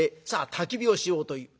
たき火をしようという。